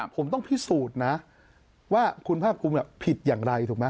ผมต้องพิสูจน์นะว่าคุณภาคภูมิผิดอย่างไรถูกไหม